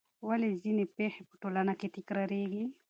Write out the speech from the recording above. ولې ځینې پېښې په ټولنه کې تکراریږي؟